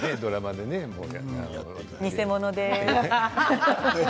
偽物です。